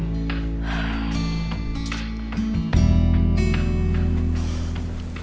yaudah aku jalan ya